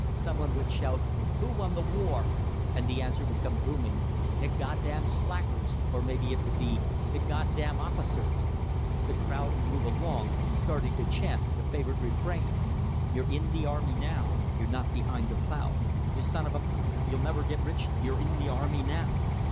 Some one would shout: "Who won the war?" And the answer would come booming: "The goddam slackers;" or maybe it would be, "The goddam officers." The crowd would move along, starting to chant the favorite refrain: You're in the army now, You're not behind the plow ; You son of a , You'll never get rich You're in the army now!